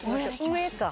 上か。